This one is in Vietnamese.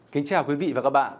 kính chào quý vị và các bạn